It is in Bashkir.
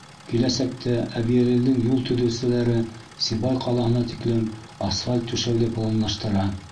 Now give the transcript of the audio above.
Киләсәктә Әбйәлилдең юл төҙөүселәре Сибай ҡалаһына тиклем асфальт түшәүҙе планлаштыра.